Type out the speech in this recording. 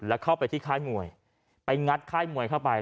แล้วเข้าไปที่ค่ายมวยไปงัดค่ายมวยเข้าไป